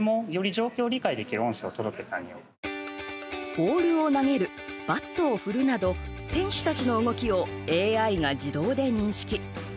ボールを投げるバットを振るなど選手たちの動きをＡＩが自動で認識。